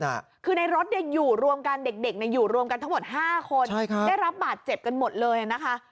คือในรถเนี่ยอยู่รวมกันเด็กอยู่รวมกันทั้งหมด๕คนได้รับบาดเจ็บกันหมดเลยนะคะ